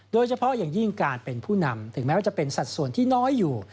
โดยเฉพาะอย่างยิ่งการเป็นผู้นำถึงแม้ว่าจะเป็นสัดส่วนที่น้อยอยู่